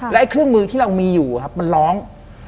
และเครื่องมือที่เรามีอยู่ครับมันร้อง